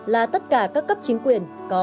là tất cả các cấp chính quyền có